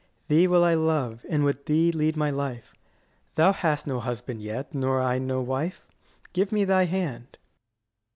Thee will I love, and with thee lead my life: Thou hast no husband yet, nor I no wife. Give me thy hand.